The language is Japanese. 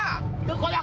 どこ？